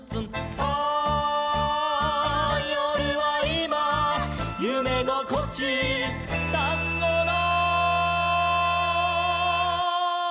「ああよるはいまゆめごこち」「タンゴの」